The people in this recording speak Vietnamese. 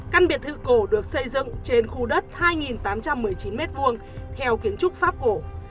căn biệt thự cổ được xây dựng trên khu đất hai tám trăm một mươi chín m hai theo kiến trúc pháp cổ